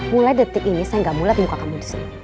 mulai detik ini saya gak ngeliat muka kamu disini